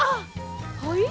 はい？